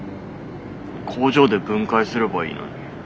工場で分解すればいいのに。